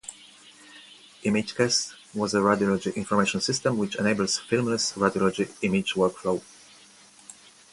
Imagecast was a radiology information system which enables "filmless" radiology image workflow.